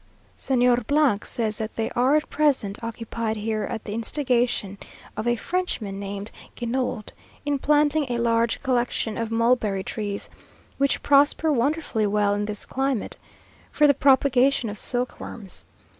Señor says that they are at present occupied here at the instigation of a Frenchman, named Genould, in planting a large collection of mulberry trees, (which prosper wonderfully well in this climate) for the propagation of silkworms.